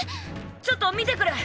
ちょっと見てくる！